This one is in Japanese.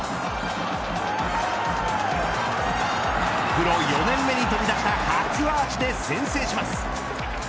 プロ４年目に飛び出した初アーチで先制します。